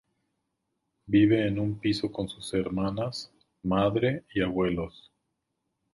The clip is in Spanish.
Vive en un piso con sus hermanas, madre y abuelos.